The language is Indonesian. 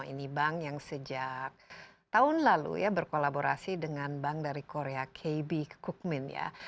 ini bank yang sejak tahun lalu ya berkolaborasi dengan bank dari korea kb ke kukmin ya